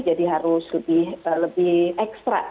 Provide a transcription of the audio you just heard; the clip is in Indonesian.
jadi harus lebih ekstra